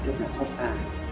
chúng tôi rất là khóc xa